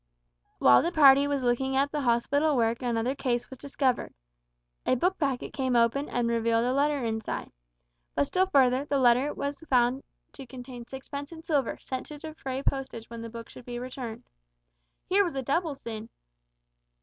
While the party was looking at the hospital work another case was discovered. A book packet came open and revealed a letter inside. But still further, the letter was found to contain sixpence in silver, sent to defray postage when the book should be returned. Here was a double sin!